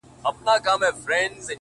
• يوه نه ـدوې نه ـڅو دعاوي وكړو ـ